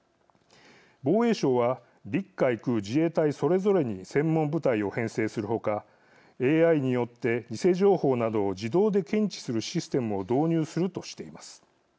防衛省は、陸海空自衛隊それぞれに専門部隊を編成する他ＡＩによって偽情報などを自動で検知するシステムを導入するとしています。